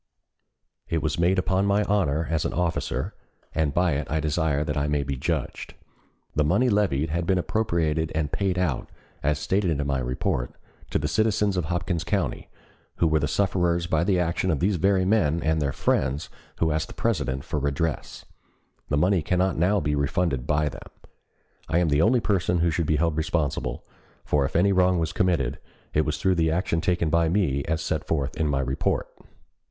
It was made upon my honor as an officer, and by it I desire that I may be judged. The money levied had been appropriated and paid out, as stated in my report, to the citizens of Hopkins County, who were the sufferers by the action of these very men and their friends, who ask the President for redress. The money cannot now be refunded by them. I am the only person who should be held responsible, for if any wrong was committed it was through the action taken by me as set forth in my report.